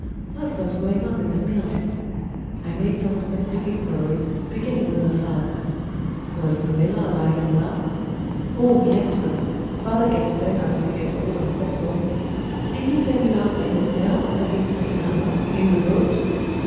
What was going on at the mill? I made some domestic inquiries, beginning with her father. Was the miller alive and well? "Oh yes, sir. Father gets thinner as he gets older that's all." "Did he send you out by yourself, at this late hour, in the boat?"